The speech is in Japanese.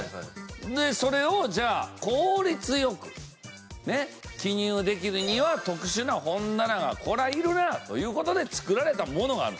それをじゃあ効率よく記入できるには特殊な本棚がこれはいるなあという事で作られたものがある。